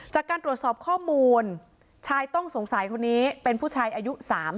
จากการตรวจสอบข้อมูลชายต้องสงสัยคนนี้เป็นผู้ชายอายุ๓๐